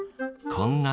こんな